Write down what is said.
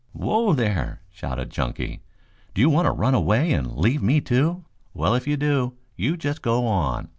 "Whoa there!" shouted Chunky. "Do you want to run away and leave me, too? Well, if you do, you just go on.